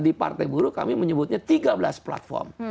di partai buruh kami menyebutnya tiga belas platform